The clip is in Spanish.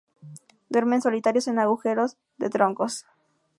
Duermen solitarios en agujeros de troncos.